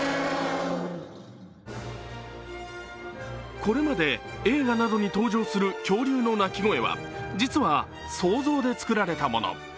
これまで映画などに登場する恐竜の鳴き声は実は想像で作られたもの。